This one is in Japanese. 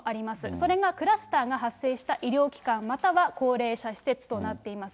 それがクラスターが発生した医療機関または高齢者施設となっています。